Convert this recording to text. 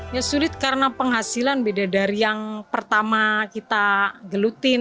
ya sulit karena penghasilan beda dari yang pertama kita gelutin